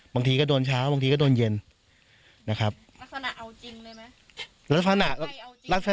บางทีก็โดนเช้าบางทีก็โดนเย็นนะครับลักษณะเอาจริงเลยไหมลักษณะ